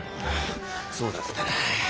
そうだったな。